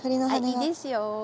いいですよ。